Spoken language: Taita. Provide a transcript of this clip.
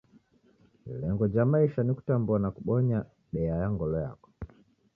Ilengo ja maisha ni kutambua na kubonya bea ya ngolo yako.